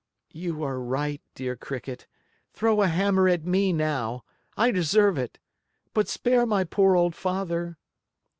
"You are right, dear Cricket. Throw a hammer at me now. I deserve it! But spare my poor old father."